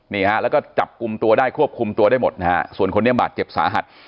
นี่ฮะแล้วก็จับกลุ่มตัวได้ควบคุมตัวได้หมดนะฮะส่วนคนนี้บาดเจ็บสาหัส